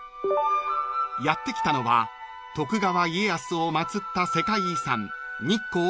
［やって来たのは徳川家康を祭った世界遺産］